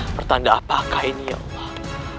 pertanda apakah ini ya allah